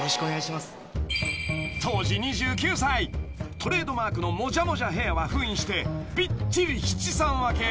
［トレードマークのもじゃもじゃヘアは封印してびっちり七三分け］